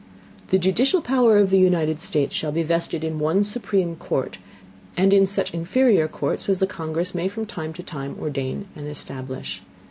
The judicial Power of the United States, shall be vested in one supreme Court, and in such inferior Courts as the Congress may from time to time ordain and establish.